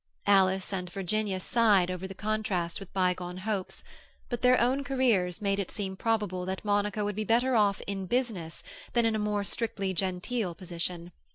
Alice and Virginia sighed over the contrast with bygone hopes, but their own careers made it seem probable that Monica would be better off "in business" than in a more strictly genteel position.